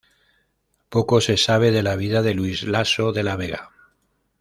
Poco se sabe de la vida de Luis Lasso de la Vega.